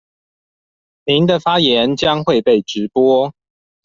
您的發言將會被直播